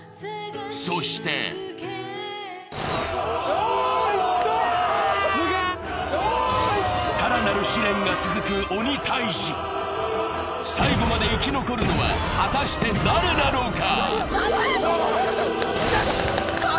そして、更なる試練が続く「鬼タイジ」最後まで生き残るのは果たして誰なのか。